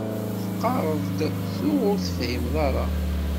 Teqqareḍ-d tuɣ ur tefhimeḍ ara.